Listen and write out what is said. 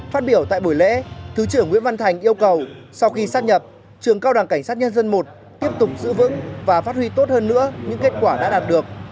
phát biểu tại buổi lễ thứ trưởng nguyễn văn thành yêu cầu sau khi sắp nhập trường cao đảng cảnh sát nhân dân i tiếp tục giữ vững và phát huy tốt hơn nữa những kết quả đã đạt được